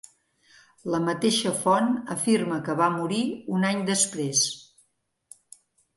La mateixa font afirma que va morir un any després.